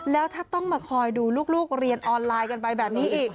แล้วถ้าต้องมาคอยดูลูกเรียนออนไลน์กันไปแบบนี้อีก